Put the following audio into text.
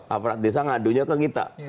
aparat desa ngadunya ke kita